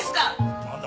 何だ？